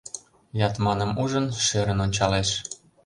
Ятманым ужын, шӧрын ончалеш.